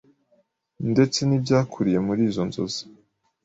ndetse n’ibyakuriye muri izo nzozi.